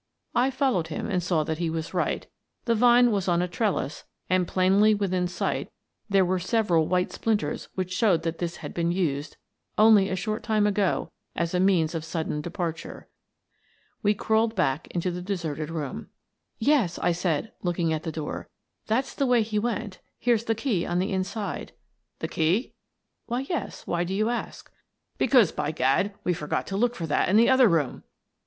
I followed him and saw that he was right The vine was on a trellis and, plainly within sight, there were several white splinters which showed that this had been used, only a short time ago, as a means of sudden departure. We crawled back into the deserted room. " Yes," I said, looking at the door, " that's the way he went. Here's the key on the inside." "The key?" "Why, yes. Why do you ask?" " Because, by gad, we forgot to lode for that in the other room!"